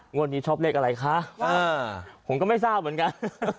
งวดนี้ชอบเลขอะไรคะผมก็ไม่ทราบเหมือนกัน